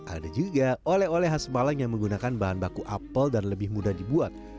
ada juga oleh oleh khas malang yang menggunakan bahan baku apel dan lebih mudah dibuat